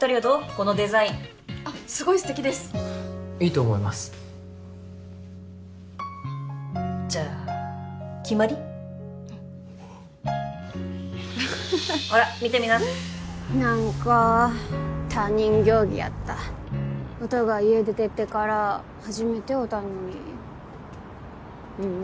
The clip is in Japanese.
このデザインあっすごい素敵ですいいと思いますじゃあ決まり？おっほら見てみな何か他人行儀やった音が家出てってから初めて会うたのにうん